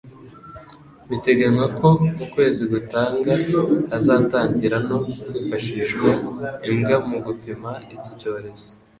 Biteganywa ko mu kwezi gutanga hazatangira no kwifashishwa imbwa mu gupima iki cyorezo.